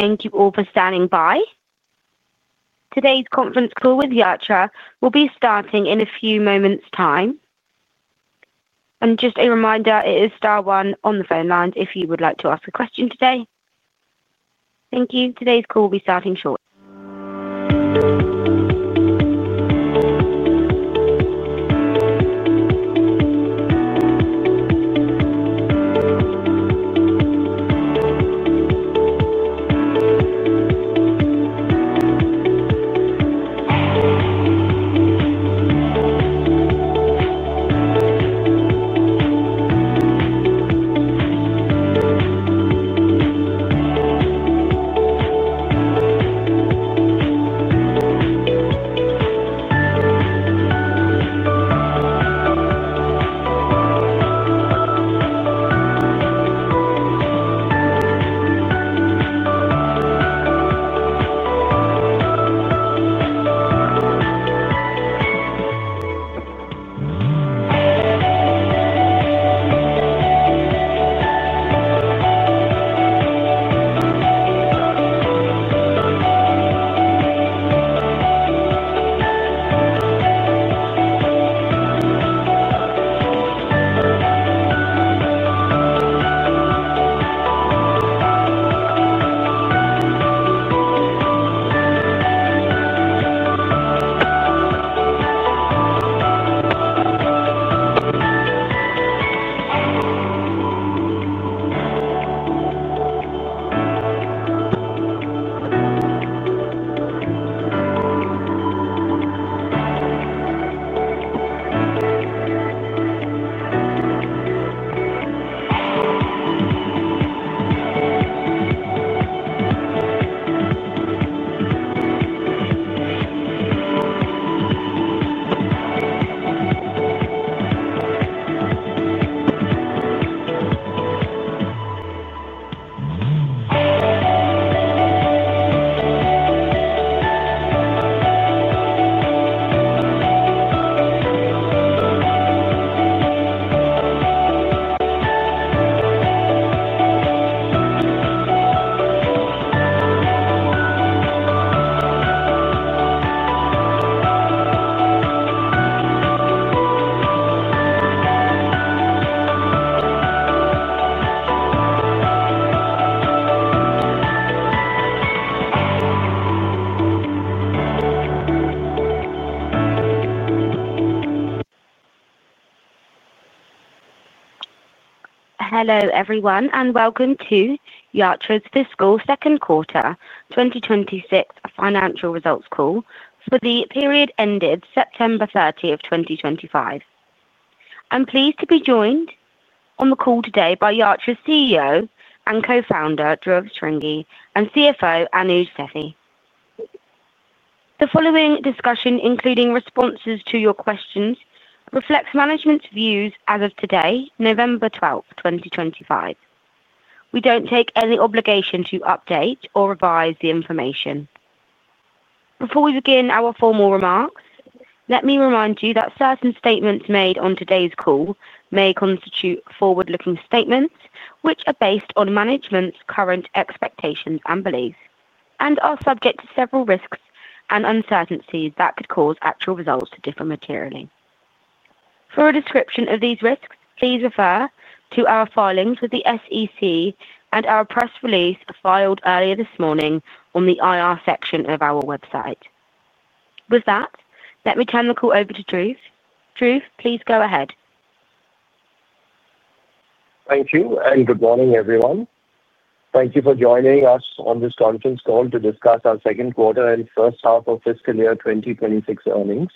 Thank you all for standing by. Today's conference call with Yatra will be starting in a few moments' time. Just a reminder, it is Star One on the phone line if you would like to ask a question today. Thank you. Today's call will be starting shortly. Hello, everyone, and welcome to Yatra's Fiscal Second Quarter 2026 Financial Results Call for the period ended September 30, 2025. I'm pleased to be joined on the call today by Yatra's CEO and co-founder, Dhruv Shringi, and CFO, Anuj Sethi. The following discussion, including responses to your questions, reflects management's views as of today, November 12, 2025. We don't take any obligation to update or revise the information. Before we begin our formal remarks, let me remind you that certain statements made on today's call may constitute forward-looking statements which are based on management's current expectations and beliefs, and are subject to several risks and uncertainties that could cause actual results to differ materially. For a description of these risks, please refer to our filings with the SEC and our press release filed earlier this morning on the IR section of our website. With that, let me turn the call over to Dhruv. Dhruv, please go ahead. Thank you, and good morning, everyone. Thank you for joining us on this conference call to discuss our second quarter and first half of fiscal year 2026 earnings.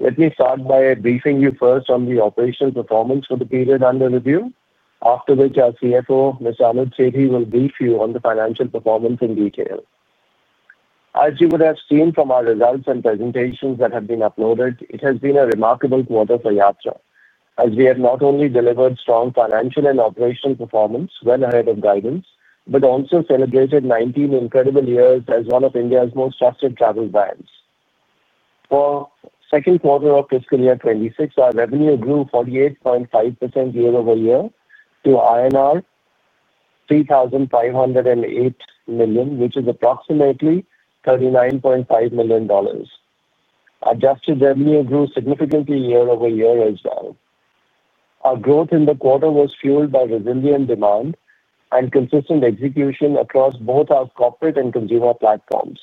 Let me start by briefing you first on the operational performance for the period under review, after which our CFO, Anuj Sethi, will brief you on the financial performance in detail. As you would have seen from our results and presentations that have been uploaded, it has been a remarkable quarter for Yatra, as we have not only delivered strong financial and operational performance, well ahead of guidance, but also celebrated 19 incredible years as one of India's most trusted travel brands. For the second quarter of fiscal year 2026, our revenue grew 48.5% year over year to INR 3,508 million, which is approximately $39.5 million. Adjusted revenue grew significantly year-over-year as well. Our growth in the quarter was fueled by resilient demand and consistent execution across both our corporate and consumer platforms.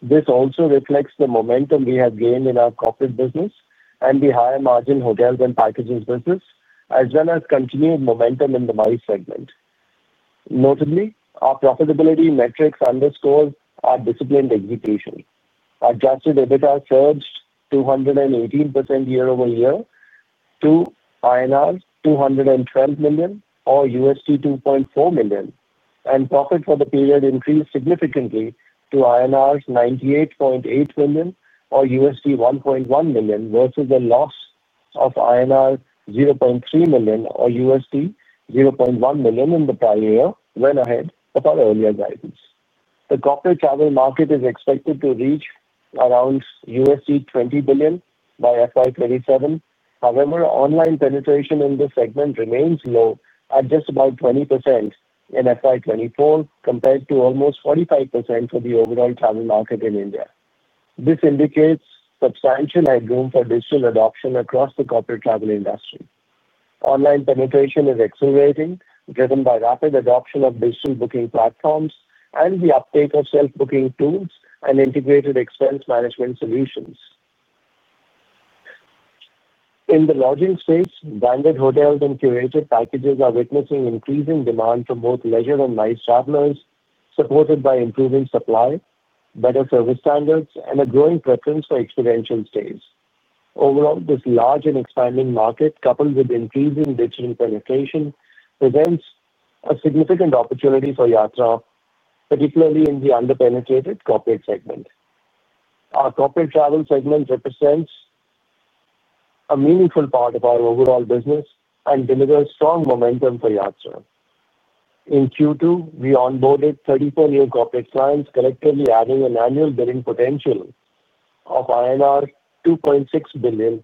This also reflects the momentum we have gained in our corporate business and the higher-margin hotels and packages business, as well as continued momentum in the MICE segment. Notably, our profitability metrics underscore our disciplined execution. Adjusted EBITDA surged 218% year-over-year to INR 212 million, or $2.4 million, and profit for the period increased significantly to INR 98.8 million, or $1.1 million, versus a loss of INR 0.3 million, or $0.1 million in the prior year, well ahead of our earlier guidance. The corporate travel market is expected to reach around $20 billion by FY 2027. However, online penetration in this segment remains low, at just about 20% in FY 2024, compared to almost 45% for the overall travel market in India. This indicates substantial headroom for digital adoption across the corporate travel industry. Online penetration is accelerating, driven by rapid adoption of digital booking platforms and the uptake of self-booking tools and integrated expense management solutions. In the lodging space, branded hotels and curated packages are witnessing increasing demand from both leisure and MICE travelers, supported by improving supply, better service standards, and a growing preference for experiential stays. Overall, this large and expanding market, coupled with increasing digital penetration, presents a significant opportunity for Yatra, particularly in the under-penetrated corporate segment. Our corporate travel segment represents a meaningful part of our overall business and delivers strong momentum for Yatra. In Q2, we onboarded 34 new corporate clients, collectively adding an annual billing potential of INR 2.6 billion,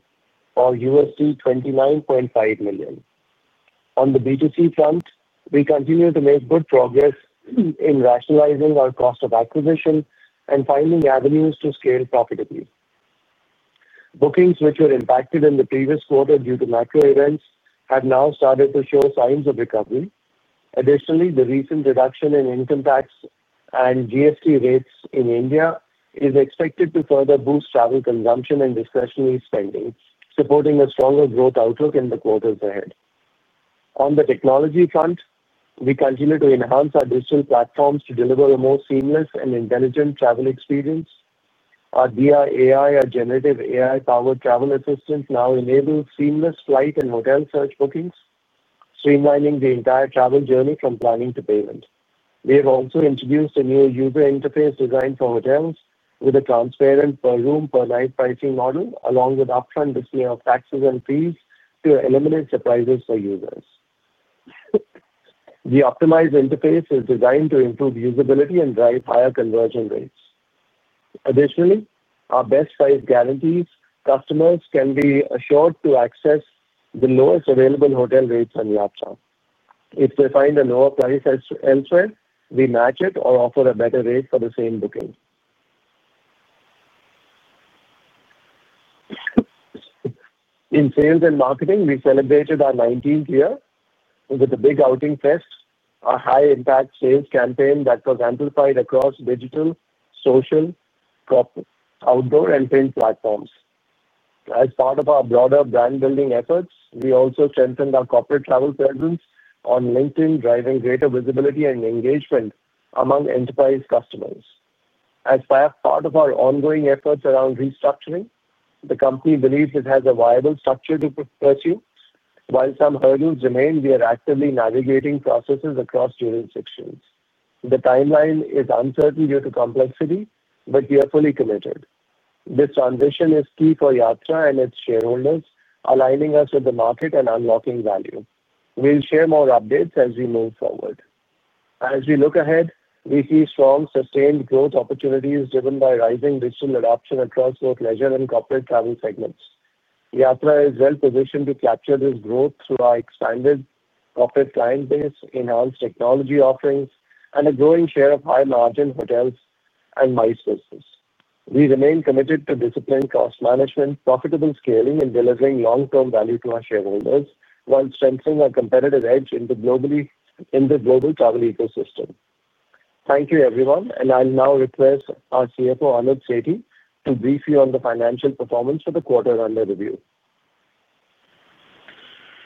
or $29.5 million. On the B2C front, we continue to make good progress in rationalizing our cost of acquisition and finding avenues to scale profitably. Bookings, which were impacted in the previous quarter due to macro events, have now started to show signs of recovery. Additionally, the recent reduction in income tax and GST rates in India is expected to further boost travel consumption and discretionary spending, supporting a stronger growth outlook in the quarters ahead. On the technology front, we continue to enhance our digital platforms to deliver a more seamless and intelligent travel experience. Our DR AI, our generative AI-powered travel assistant, now enables seamless flight and hotel search bookings, streamlining the entire travel journey from planning to payment. We have also introduced a new user interface designed for hotels, with a transparent per-room, per-night pricing model, along with upfront display of taxes and fees to eliminate surprises for users. The optimized interface is designed to improve usability and drive higher conversion rates. Additionally, our best-price guarantees customers can be assured to access the lowest available hotel rates on Yatra. If they find a lower price elsewhere, we match it or offer a better rate for the same booking. In sales and marketing, we celebrated our 19th year with a big outing fest, a high-impact sales campaign that was amplified across digital, social, corporate, outdoor, and print platforms. As part of our broader brand-building efforts, we also strengthened our corporate travel presence on LinkedIn, driving greater visibility and engagement among enterprise customers. As part of our ongoing efforts around restructuring, the company believes it has a viable structure to pursue. While some hurdles remain, we are actively navigating processes across jurisdictions. The timeline is uncertain due to complexity, but we are fully committed. This transition is key for Yatra and its shareholders, aligning us with the market and unlocking value. We'll share more updates as we move forward. As we look ahead, we see strong, sustained growth opportunities driven by rising digital adoption across both leisure and corporate travel segments. Yatra is well-positioned to capture this growth through our expanded corporate client base, enhanced technology offerings, and a growing share of high-margin hotels and MICE business. We remain committed to disciplined cost management, profitable scaling, and delivering long-term value to our shareholders while strengthening our competitive edge in the global travel ecosystem. Thank you, everyone, and I'll now request our CFO, Anuj Sethi, to brief you on the financial performance for the quarter under review.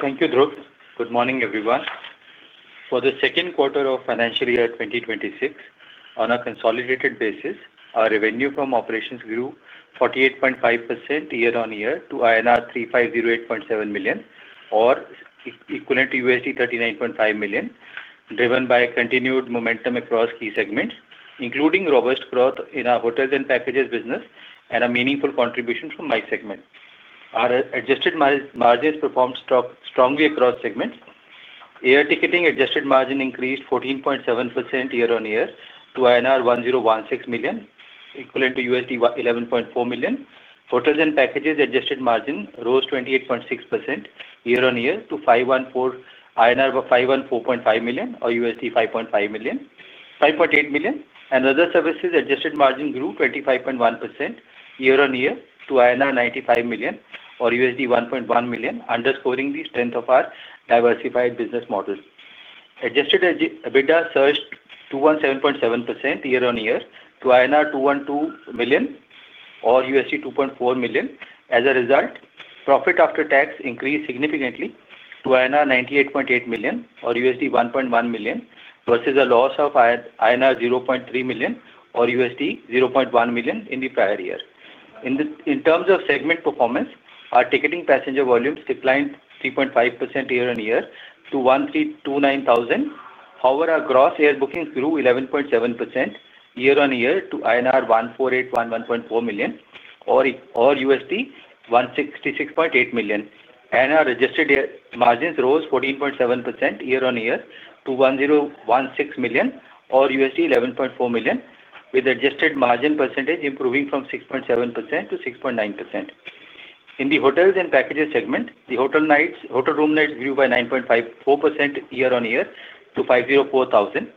Thank you, Dhruv. Good morning, everyone. For the second quarter of financial year 2026, on a consolidated basis, our revenue from operations grew 48.5% year on year to INR 3,508.7 million, or equivalent to $39.5 million, driven by continued momentum across key segments, including robust growth in our hotels and packages business and a meaningful contribution from my segment. Our adjusted margins performed strongly across segments. Air ticketing adjusted margin increased 14.7% year on year to INR 1,016 million, equivalent to $11.4 million. Hotels and packages adjusted margin rose 28.6% year on year to 514.5 million, or $5.8 million. Other services adjusted margin grew 25.1% year on year to INR 95 million, or $1.1 million, underscoring the strength of our diversified business model. Adjusted EBITDA surged 217.7% year on year to INR 212 million, or $2.4 million. As a result, profit after tax increased significantly to INR 98.8 million, or $1.1 million, versus a loss of INR 0.3 million, or $0.1 million in the prior year. In terms of segment performance, our ticketing passenger volumes declined 3.5% year on year to 1,329,000. However, our gross air bookings grew 11.7% year on year to INR 1,481.4 million, or $166.8 million. INR adjusted margins rose 14.7% year on year to 1,016 million, or $11.4 million, with adjusted margin percentage improving from 6.7% to 6.9%. In the hotels and packages segment, the hotel room nights grew by 9.4% year on year to 504,000.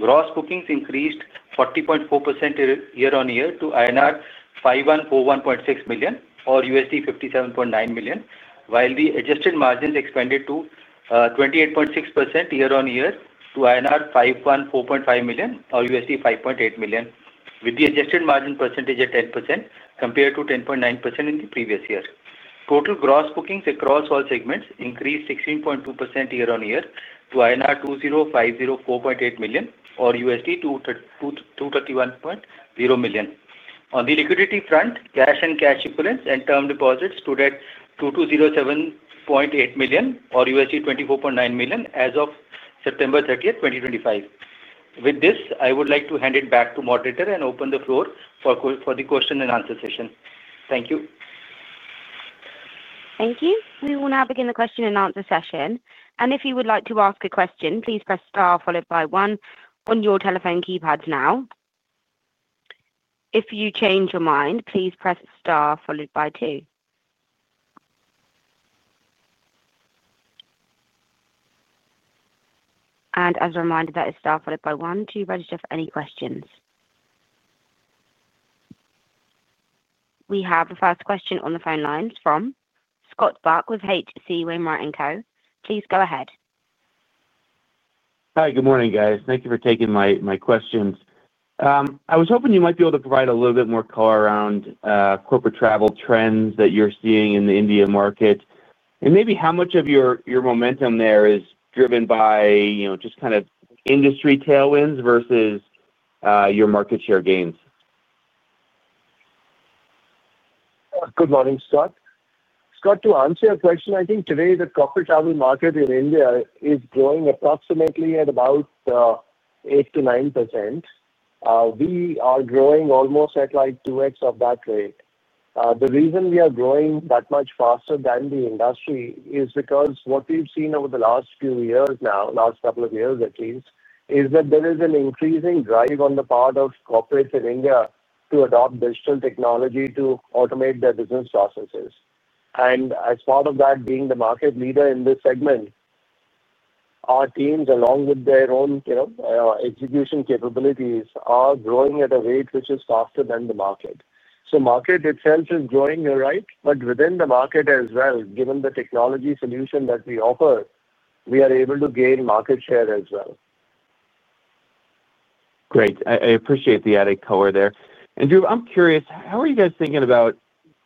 Gross bookings increased 40.4% year on year to INR 514.6 million, or $57.9 million, while the adjusted margins expanded to 28.6% year on year to INR 514.5 million, or $5.8 million, with the adjusted margin percentage at 10% compared to 10.9% in the previous year. Total gross bookings across all segments increased 16.2% year on year to INR 2,050.48 million, or $231.0 million. On the liquidity front, cash and cash equivalents and term deposits stood at 2,207.8 million, or $24.9 million as of September 30th, 2025. With this, I would like to hand it back to Moderator and open the floor for the question and answer session. Thank you. Thank you. We will now begin the question and answer session. If you would like to ask a question, please press star followed by one on your telephone keypads now. If you change your mind, please press star followed by two. As a reminder, that is star followed by one to register for any questions. We have the first question on the phone lines from Scott Buck with H.C. Wainwright and Co. Please go ahead. Hi, good morning, guys. Thank you for taking my questions. I was hoping you might be able to provide a little bit more color around corporate travel trends that you're seeing in the India market, and maybe how much of your momentum there is driven by just kind of industry tailwinds versus your market share gains. Good morning, Scott. Scott, to answer your question, I think today the corporate travel market in India is growing approximately at about 8-9%. We are growing almost at like 2X of that rate. The reason we are growing that much faster than the industry is because what we've seen over the last few years now, last couple of years at least, is that there is an increasing drive on the part of corporates in India to adopt digital technology to automate their business processes. As part of that, being the market leader in this segment, our teams, along with their own execution capabilities, are growing at a rate which is faster than the market. The market itself is growing, you're right, but within the market as well, given the technology solution that we offer, we are able to gain market share as well. Great. I appreciate the added color there. Dhruv, I'm curious, how are you guys thinking about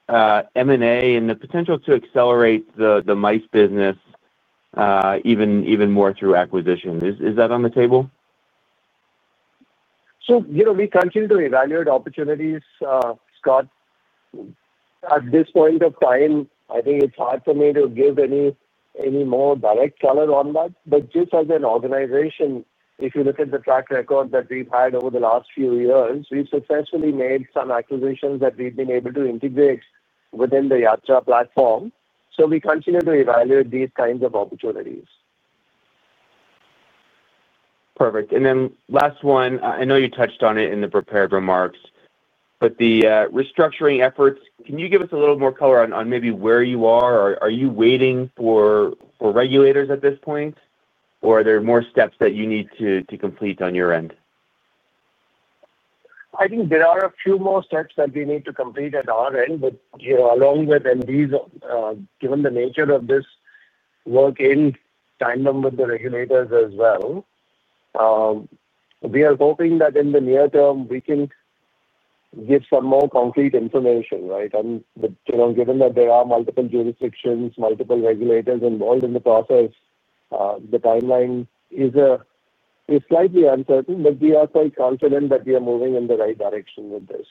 M&A and the potential to accelerate the MICE business even more through acquisition? Is that on the table? We continue to evaluate opportunities, Scott. At this point of time, I think it's hard for me to give any more direct color on that. Just as an organization, if you look at the track record that we've had over the last few years, we've successfully made some acquisitions that we've been able to integrate within the Yatra platform. We continue to evaluate these kinds of opportunities. Perfect. And then last one, I know you touched on it in the prepared remarks, but the restructuring efforts, can you give us a little more color on maybe where you are? Are you waiting for regulators at this point, or are there more steps that you need to complete on your end? I think there are a few more steps that we need to complete at our end, but along with, and given the nature of this work in tandem with the regulators as well, we are hoping that in the near term, we can get some more concrete information, right? Given that there are multiple jurisdictions, multiple regulators involved in the process, the timeline is slightly uncertain, but we are quite confident that we are moving in the right direction with this.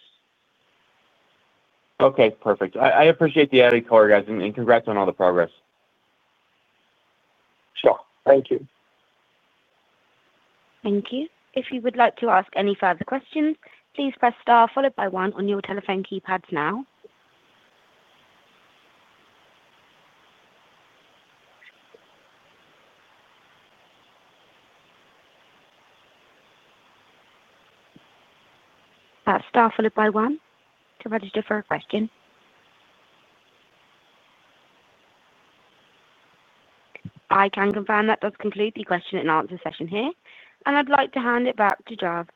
Okay, perfect. I appreciate the added color, guys, and congrats on all the progress. Sure. Thank you. Thank you. If you would like to ask any further questions, please press star followed by one on your telephone keypads now. Star followed by one. To register for a question, I can confirm that does conclude the question and answer session here. I'd like to hand it back to Dhruv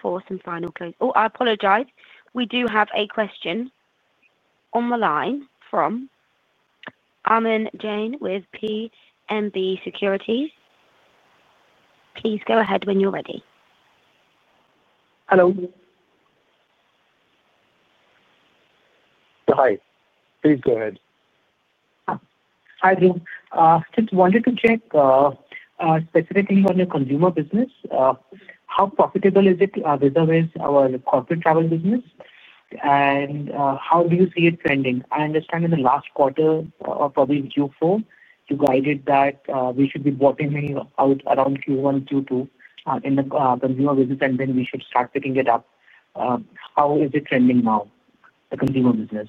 for some final close. Oh, I apologize. We do have a question on the line from Armin Jain with PMB Security. Please go ahead when you're ready. Hello. Hi. Please go ahead. Hi, Dhruv. Just wanted to check specifically on your consumer business. How profitable is it vis-à-vis your corporate travel business? How do you see it trending? I understand in the last quarter, or probably Q4, you guided that we should be bottoming out around Q1, Q2 in the consumer business, and then we should start picking it up. How is it trending now, the consumer business?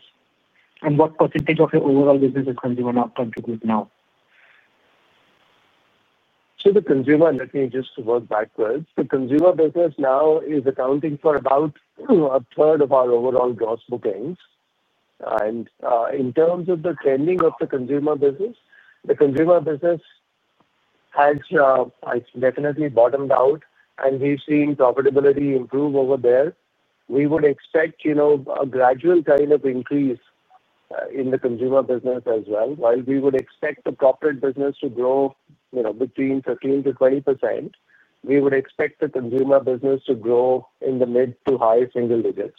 What percentage of your overall business is consumer now contributing now? The consumer business now is accounting for about a third of our overall gross bookings. In terms of the trending of the consumer business, the consumer business has definitely bottomed out, and we've seen profitability improve over there. We would expect a gradual kind of increase in the consumer business as well. While we would expect the corporate business to grow between 13%-20%, we would expect the consumer business to grow in the mid to high single digits.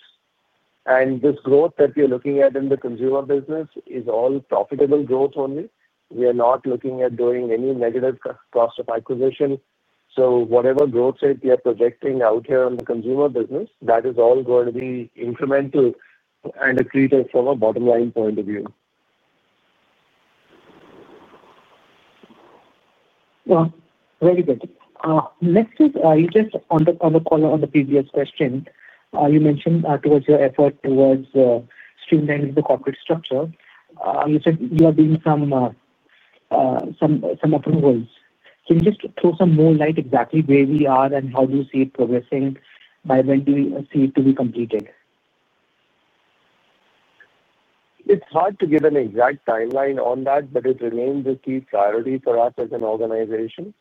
This growth that you're looking at in the consumer business is all profitable growth only. We are not looking at doing any negative cost of acquisition. Whatever growth rate we are projecting out here on the consumer business, that is all going to be incremental and accretive from a bottom-line point of view. Very good. Next, just on the color on the previous question, you mentioned towards your effort towards streamlining the corporate structure. You said you are doing some approvals. Can you just throw some more light exactly where we are and how do you see it progressing? By when do you see it to be completed? It's hard to give an exact timeline on that, but it remains a key priority for us as an organization.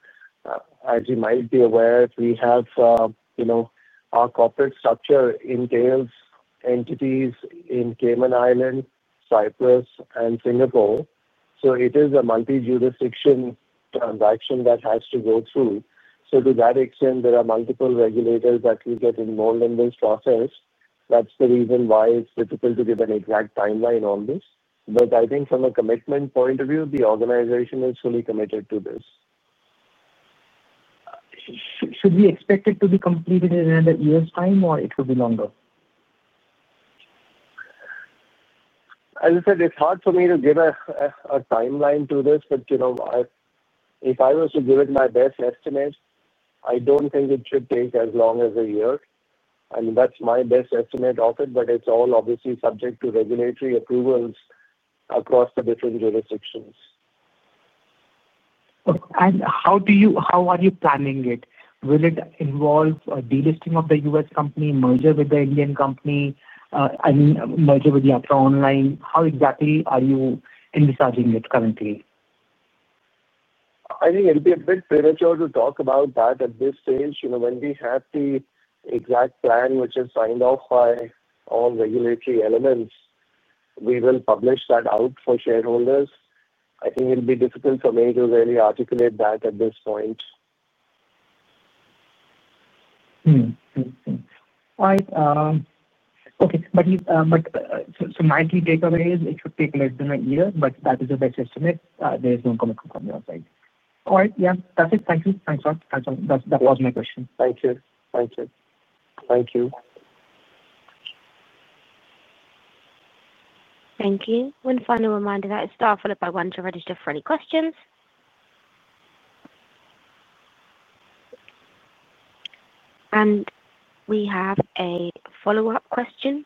As you might be aware, we have our corporate structure entails entities in Cayman Islands, Cyprus, and Singapore. It is a multi-jurisdiction transaction that has to go through. To that extent, there are multiple regulators that will get involved in this process. That's the reason why it's difficult to give an exact timeline on this. I think from a commitment point of view, the organization is fully committed to this. Should we expect it to be completed in another year's time, or it will be longer? As I said, it's hard for me to give a timeline to this, but if I was to give it my best estimate, I don't think it should take as long as a year. That's my best estimate of it, but it's all obviously subject to regulatory approvals across the different jurisdictions. How are you planning it? Will it involve a delisting of the U.S. company, merger with the Indian company, and merger with Yatra Online? How exactly are you envisaging it currently? I think it'll be a bit premature to talk about that at this stage. When we have the exact plan, which is signed off by all regulatory elements, we will publish that out for shareholders. I think it'll be difficult for me to really articulate that at this point. All right. Okay. But my key takeaway is it should take less than a year, but that is your best estimate. There is no commitment from your side. All right. Yeah. That's it. Thank you. Thanks, Scott. That was my question. Thank you. Thank you. One final reminder, that is star followed by one to register for any questions. We have a follow-up question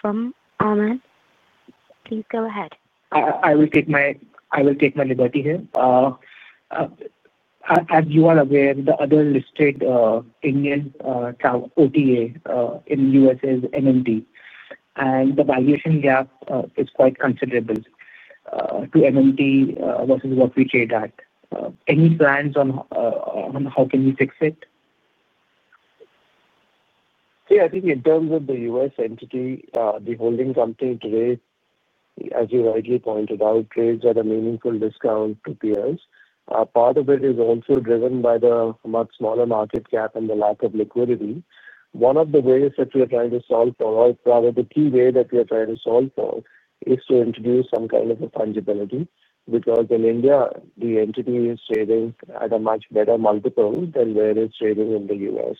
from Armin. Please go ahead. I will take my liberty here. As you are aware, the other listed Indian OTA in the U.S. is MakeMyTrip. The valuation gap is quite considerable to MakeMyTrip versus what we trade at. Any plans on how can we fix it? See, I think in terms of the U.S. entity, the holding company trades, as you rightly pointed out, trades at a meaningful discount to peers. Part of it is also driven by the much smaller market cap and the lack of liquidity. One of the ways that we are trying to solve for, or rather the key way that we are trying to solve for, is to introduce some kind of a fungibility because in India, the entity is trading at a much better multiple than where it's trading in the U.S.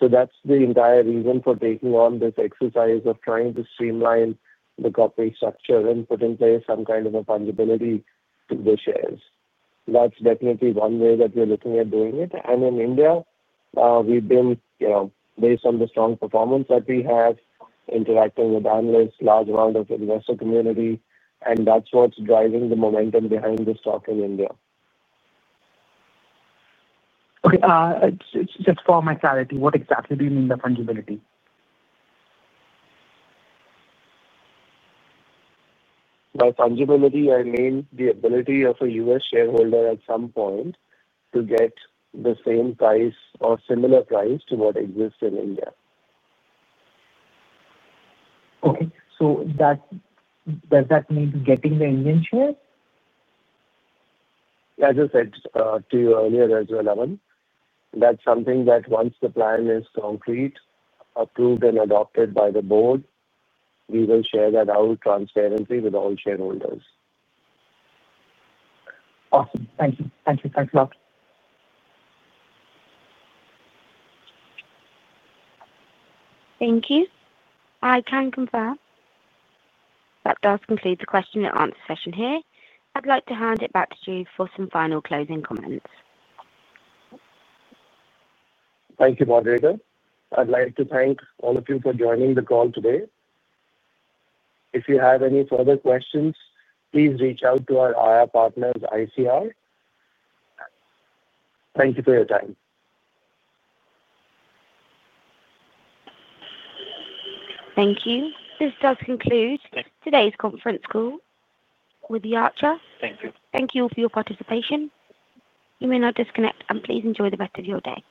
That is the entire reason for taking on this exercise of trying to streamline the corporate structure and put in place some kind of a fungibility to the shares. That is definitely one way that we're looking at doing it. In India, we've been, based on the strong performance that we have, interacting with analysts, a large amount of investor community, and that's what's driving the momentum behind this stock in India. Okay. Just for my clarity, what exactly do you mean by fungibility? By fungibility, I mean the ability of a U.S. shareholder at some point to get the same price or similar price to what exists in India. Okay. Does that mean getting the Indian share? As I said to you earlier, as well, Armin, that's something that once the plan is concrete, approved, and adopted by the board, we will share that out transparently with all shareholders. Awesome. Thank you. Thank you. Thanks a lot. Thank you. I can confirm that does conclude the question and answer session here. I'd like to hand it back to you for some final closing comments. Thank you, Moderator. I'd like to thank all of you for joining the call today. If you have any further questions, please reach out to our IR partners, ICR. Thank you for your time. Thank you. This does conclude today's conference call with Yatra. Thank you. Thank you for your participation. You may now disconnect and please enjoy the rest of your day.